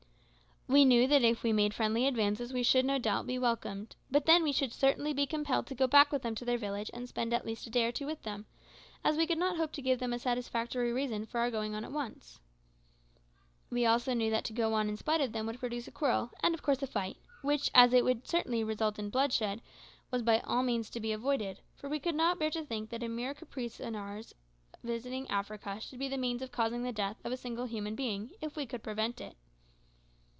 We knew that if we made friendly advances we should no doubt be welcomed, but then we should certainly be compelled to go back with them to their village and spend at least a day or two with them, as we could not hope to give them a satisfactory reason for our going on at once. We also knew that to go on in spite of them would produce a quarrel, and, of course, a fight, which, as it would certainly result in bloodshed, was by all means to be avoided for we could not bear to think that a mere caprice of ours in visiting Africa should be the means of causing the death of a single human being, if we could prevent it.